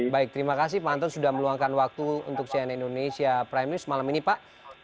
baik terima kasih pak anton sudah meluangkan waktu untuk cnn indonesia prime news malam ini pak